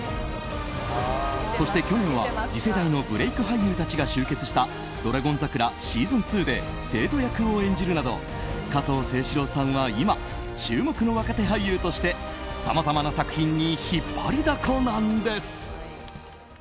そして去年は次世代のブレーク俳優たちが集結した「ドラゴン桜シーズン２」で生徒役を演じるなど加藤清史郎さんは今注目の若手俳優としてさまざまな作品に引っ張りだこなんです。